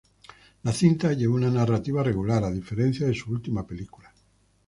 La cinta lleva una narrativa regular, a diferencia de su última película.